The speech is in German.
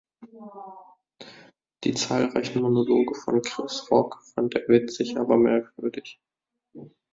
Die zahlreichen Monologe von Chris Rock fand er „witzig“ aber „merkwürdig“.